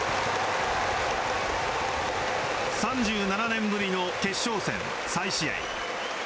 ３７年ぶりの決勝戦再試合。